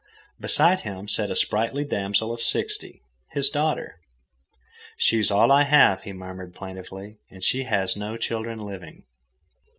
Beside him sat a sprightly damsel of sixty, his daughter. "She is all I have," he murmured plaintively, "and she has no children living."